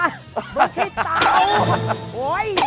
ไม่ใช่เตา